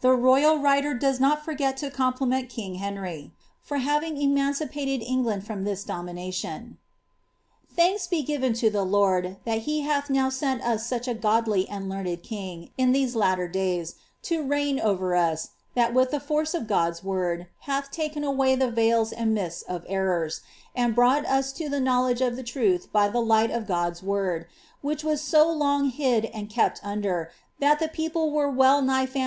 The I03ral writer does not forget to compliment king llcnry, for having eman* cipateil England from this domination :—^Thanks bo ^vcn to the I^rd that he hath now sent us such a goiily and Inarned kin;:, in tliose latter days, to rei9:n over \m, that, with the force of God's word, hath takon away the veils and mists of errors, and brought us to the knowletlge of the truth by the light of God's word, which was so long hid and kept uaJer, that the people were well ni}(h fanii!